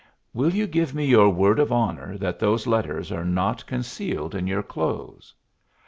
"Will you give me your word of honor that those letters are not concealed in your clothes?"